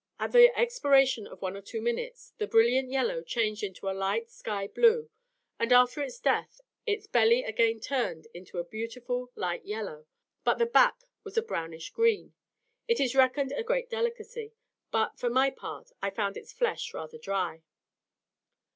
At the expiration of one or two minutes the brilliant yellow changed into a light sky blue, and after its death its belly again turned to a beautiful light yellow, but the back was a brownish green. It is reckoned a great delicacy, but, for my own part, I found its flesh rather dry.